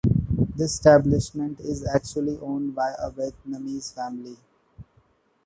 This establishment is actually owned by a Vietnamese family.